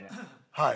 はい。